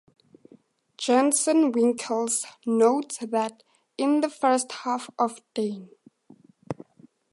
Jansen-Winkeln notes that in the first half of Dyn.